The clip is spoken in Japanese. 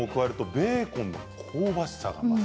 ベーコンの香ばしさが増す。